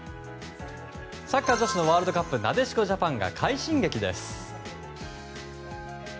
サッカー女子のワールドカップなでしこジャパンが快進撃です。